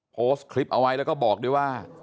โพสต์คลิปเอาไว้แล้วก็บอกด้วยว่า